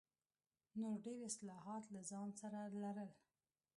نور ډېر اصلاحات له ځان سره لرل.